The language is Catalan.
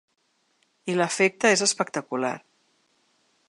I l’efecte és espectacular.